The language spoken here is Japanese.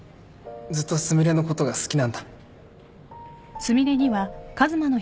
ずっとすみれのことが好きなんだ。